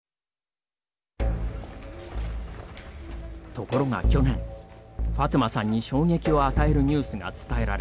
ところが去年ファトゥマさんに衝撃を与えるニュースが伝えられました。